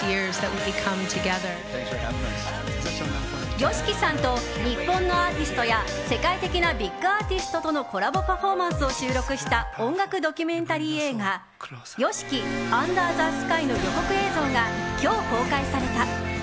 ＹＯＳＨＩＫＩさんと日本のアーティストや世界的なビッグアーティストとのコラボパフォーマンスを収録した音楽ドキュメンタリー映画「ＹＯＳＨＩＫＩ：ＵＮＤＥＲＴＨＥＳＫＹ」の予告映像が今日、公開された。